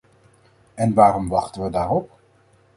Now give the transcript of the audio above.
En waarom wachten we daarop?